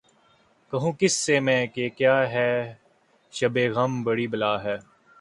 کہوں کس سے میں کہ کیا ہے شبِ غم بری بلا ہے